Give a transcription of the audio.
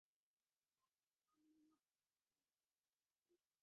অনেকদিন এমন মাছের ঝোল খাই নাই।